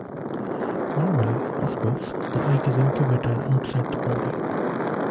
Normally, of course, the egg is incubated outside the body.